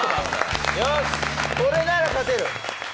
これなら勝てる。